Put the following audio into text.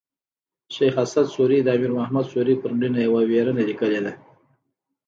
شېخ اسعد سوري د امیر محمد سوري پر مړینه یوه ویرنه لیکلې ده.